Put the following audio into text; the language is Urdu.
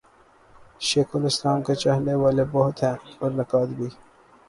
شیخ الاسلام کے چاہنے والے بہت ہیں اور نقاد بھی۔